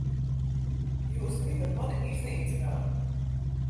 Jūs gribat mani iznīcināt.